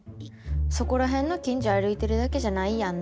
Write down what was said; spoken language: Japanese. そこらへんのきんじょ歩いてるだけじゃないやんな？